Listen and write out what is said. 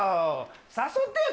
誘ってよ